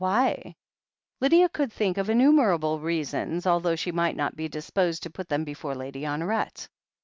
Why? Lydia could think of innumerable reasons, although she might not be disposed to put them before Lady Honoret.